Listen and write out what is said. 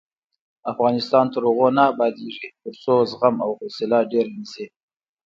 افغانستان تر هغو نه ابادیږي، ترڅو زغم او حوصله ډیره نشي.